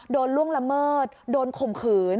ล่วงละเมิดโดนข่มขืน